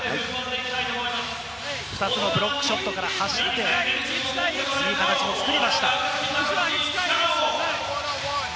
２つのブロックショットから、いい形を作りました。